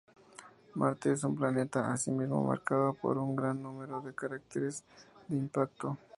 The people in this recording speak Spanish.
Marte es un planeta asimismo marcado por un gran número de cráteres de impacto.